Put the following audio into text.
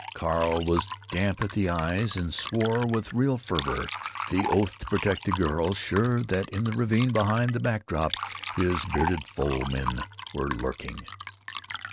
Carl was damp at the eyes, and swore with real fervor the oath to protect the girl, sure that in the ravine behind the back drop his bearded foe men were lurking.